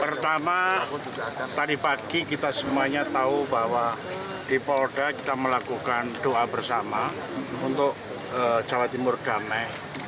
pertama tadi pagi kita semuanya tahu bahwa di polda kita melakukan doa bersama untuk jawa timur damai